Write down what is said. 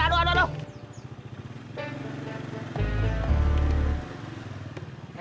aduh aduh aduh